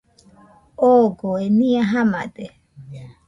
Ogoe nɨa jamade